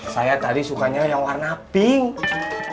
saya tadi sukanya yang warna pink